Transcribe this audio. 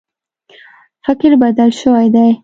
فکر بدل شوی دی.